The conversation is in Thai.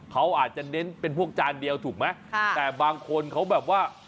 เขาอาจจะเน้นเป็นพวกจานเดียวถูกไหมค่ะแต่บางคนเขาแบบว่า